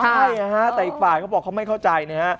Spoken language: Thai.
ใช่นะฮะแต่อีกฝ่ายเขาบอกเขาไม่เข้าใจนะฮะ